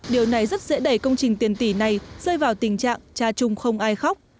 điều này rất dễ đẩy công trình tiền tỷ này rơi vào tình trạng cha chung không ai khóc